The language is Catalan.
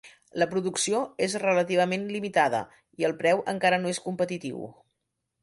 La producció és relativament limitada i el preu encara no és competitiu.